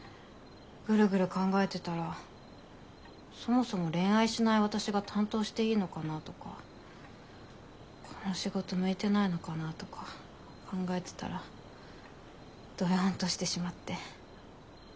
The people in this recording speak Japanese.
グルグル考えてたらそもそも恋愛しない私が担当していいのかなとかこの仕事向いてないのかなとか考えてたらドヨンとしてしまって。